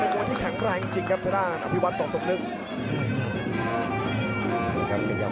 อภิวัตที่แข็งแรงจริงครับอภิวัตต่อส่วนหนึ่ง